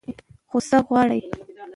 خو هڅه غواړي.